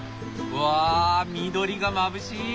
わあ緑がまぶしい。